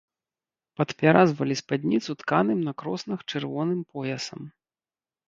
Падпяразвалі спадніцу тканым на кроснах чырвоным поясам.